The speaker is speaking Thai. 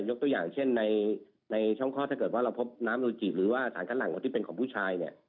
ตัวอย่างเช่นในช่องคลอดถ้าเกิดว่าเราพบน้ำลูจิหรือว่าสารคัดหลังที่เป็นของผู้ชายเนี่ย